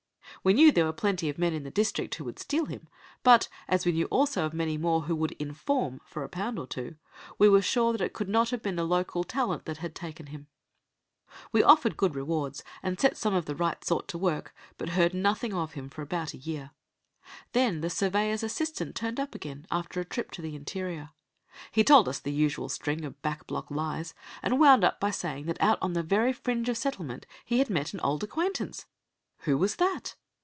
We knew there were plenty of men in the district who would steal him; but, as we knew also of many more who would "inform" for a pound or two, we were sure that it could not have been local "talent" that had taken him. We offered good rewards and set some of the right sort to work, but heard nothing of him for about a year. Then the surveyor's assistant turned up again, after a trip to the interior. He told us the usual string of back block lies, and wound up by saying that out on the very fringe of settlement he had met an old acquaintance. "Who was that?"